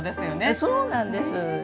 あっそうなんです。